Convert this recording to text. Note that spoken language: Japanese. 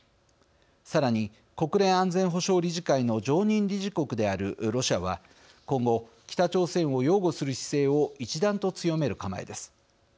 さらに、国連安全保障理事会の常任理事国であるロシアは今後、北朝鮮を擁護する姿勢を一段と強める構えです。